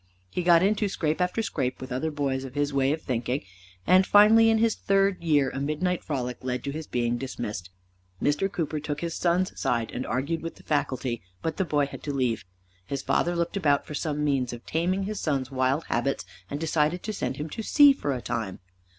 He got into scrape after scrape with other boys of his way of thinking, and finally in his third year a midnight frolic led to his being dismissed. Mr. Cooper took his son's side and argued with the faculty, but the boy had to leave. His father looked about for some means of taming his son's wild habits and decided to send him to sea for a time.